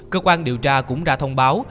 cơ quan điều tra cũng ra thông báo